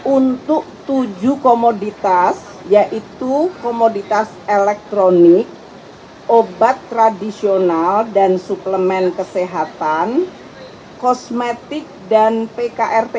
untuk tujuh komoditas yaitu komoditas elektronik obat tradisional dan suplemen kesehatan kosmetik dan pkrt